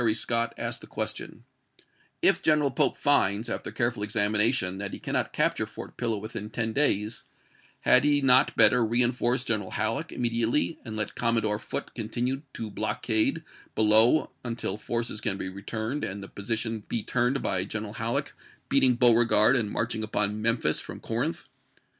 Assist ant Secretary Scott asked the question :" If Gen eral Pope finds, after careful examination, that he cannot capture Fort Pillow within ten days, had he not better reenforce G eneral Halleck immediately and let Commodore Foote continue to blockade be low until forces can be returned and the position be turned by General Halleck beating Beauregard and marching upon Memphis from Corinth